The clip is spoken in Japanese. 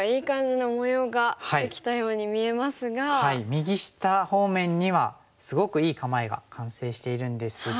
右下方面にはすごくいい構えが完成しているんですが。